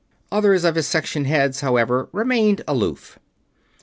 Others of his Section Heads, however, remained aloof.